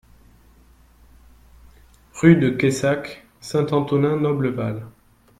Rue de Cayssac, Saint-Antonin-Noble-Val